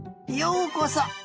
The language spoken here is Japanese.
ようこそ！